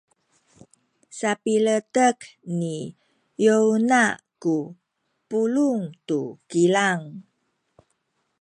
sapiletek ni Yona ku pulung tu kilang.